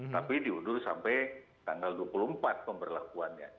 tapi diundur sampai tanggal dua puluh empat pemberlakuannya